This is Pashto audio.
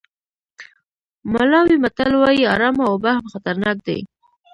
مالاوي متل وایي ارامه اوبه هم خطرناک دي.